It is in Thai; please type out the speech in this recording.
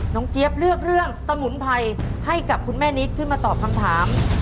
เจี๊ยบเลือกเรื่องสมุนไพรให้กับคุณแม่นิดขึ้นมาตอบคำถาม